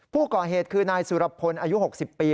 ผู้ก่อเหตุคือนายสุรพลอายุ๖๐ปี